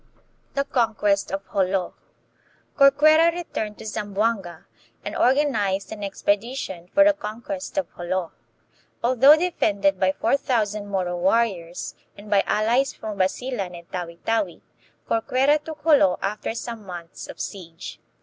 1 The Conquest of Jolo. Corcuera returned to Zam boanga and organized an expedition for the conquest of Jolo. Although defended by four thousand Moro war riors and by allies from Basilan and Tawi Tawi, Corcuera took Jolo after some months of siege.